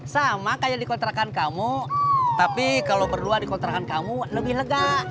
sama kayak di kontrakan kamu tapi kalau berdua di kontrakan kamu lebih lega